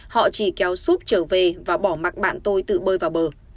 họ chỉ kéo súp trở về và bỏ mặt bạn tôi tự bơi vào bờ